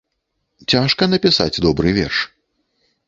Цяжка напісаць добры верш.